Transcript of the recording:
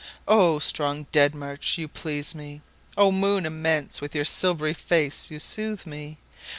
8O strong dead march, you please me!O moon immense, with your silvery face you soothe me!